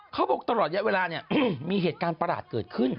เขาบอกตลอดเวลาเนี่ยมีเหตุการณ์ประหลาดเกิดขึ้น